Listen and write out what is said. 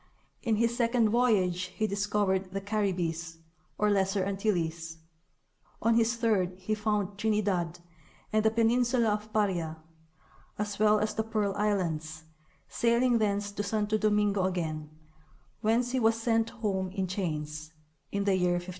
In his second voyage he discovered the Caribbees, or Lesser Antilles ; on his third he found Trinidad and the peninsula of Paria, as well as the Pearl islands, sailing thence to Santo Domingo again, whence he was sent home in chains, in the year 1500.